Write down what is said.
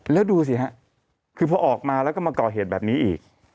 แล้วดูสิฮะคือพอออกมาแล้วก็มาก่อเหตุแบบนี้อีก